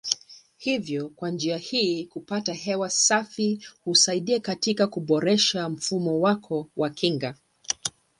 Hivyo kwa njia hii kupata hewa safi husaidia katika kuboresha mfumo wako wa kinga.